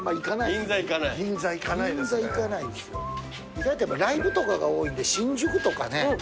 ・意外とライブとかが多いんで新宿とかね。